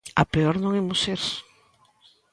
A peor non imos ir.